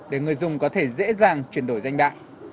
để người dùng có thể dễ dàng chuyển đổi danh đại